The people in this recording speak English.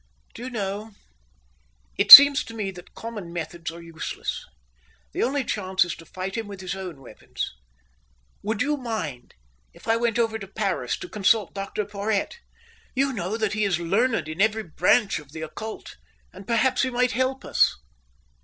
"Do you know, it seems to me that common methods are useless. The only chance is to fight him with his own weapons. Would you mind if I went over to Paris to consult Dr Porhoët? You know that he is learned in every branch of the occult, and perhaps he might help us."